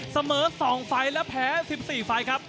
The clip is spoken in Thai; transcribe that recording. เสมอ๒ไฟล์และแพ้๑๔ไฟล์ครับ